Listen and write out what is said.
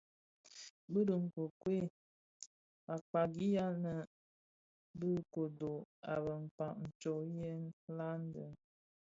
Dhi bi nkokwei a kpagianë bi kodo a bekpag tsok yi landen.